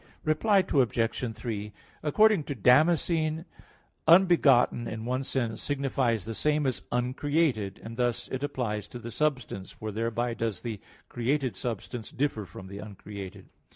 Reply Obj. 3: According to Damascene (De Fide Orth. ii, 9), "unbegotten" in one sense signifies the same as "uncreated"; and thus it applies to the substance, for thereby does the created substance differ from the uncreated.